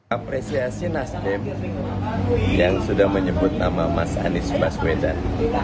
apresiasi nasdem yang sudah menyebut nama mas anies baswedan